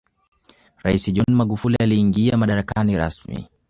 raisi john magufuli aliingia madarakani rasmi